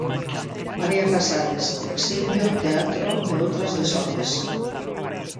'María Casares: exilio, teatro e outras desordes'.